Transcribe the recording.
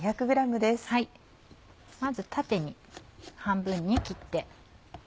まず縦に半分に切って。